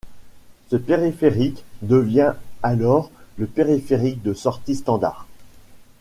Ce périphérique devient alors le périphérique de sortie standard.